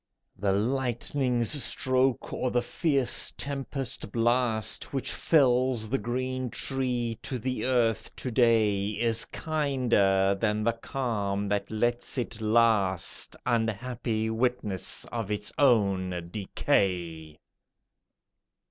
The lightning's stroke or the fierce tempest blast Which fells the green tree to the earth to day Is kinder than the calm that lets it last, Unhappy witness of its own decay.